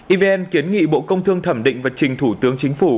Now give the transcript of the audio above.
evn kiến nghị bộ công thương thẩm định và trình thủ tướng chính phủ